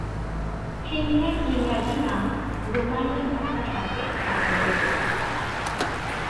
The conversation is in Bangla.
সিংহের ইংরাজি নাম রোমাণীয় ভাষার সাথে সম্পর্কিত।